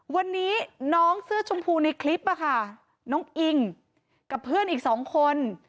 วันนี้น้องเสื้อชมพูในคลิปอะค่ะน้องอิงกับเพื่อนอีกสองคน